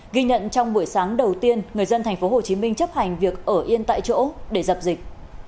ghi nhận trong buổi sáng đầu tiên người dân tp hcm chấp hành việc ở yên tại chỗ để dập dịch